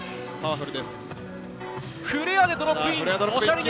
フレアでドロップイン。